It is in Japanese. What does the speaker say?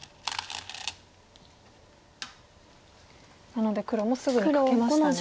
なので黒もすぐにカケましたね。